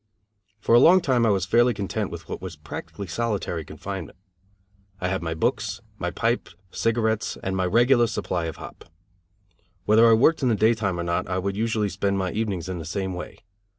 For a long time I was fairly content with what was practically solitary confinement. I had my books, my pipe, cigarettes and my regular supply of hop. Whether I worked in the daytime or not I would usually spend my evenings in the same way.